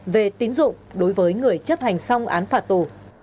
về tín dụng đối với người chấp hành xong án phạt tù